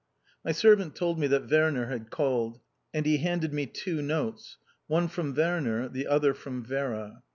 My servant told me that Werner had called, and he handed me two notes: one from Werner, the other... from Vera.